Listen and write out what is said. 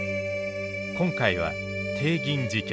今回は帝銀事件。